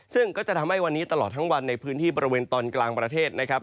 ซึ่งก็จะทำให้วันนี้ตลอดทั้งวันในพื้นที่บริเวณตอนกลางประเทศนะครับ